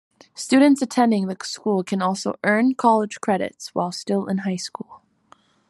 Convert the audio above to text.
Students attending the school can also earn college credits, while still in high school.